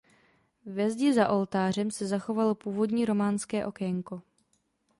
Ve zdi za oltářem se zachovalo původní románské okénko.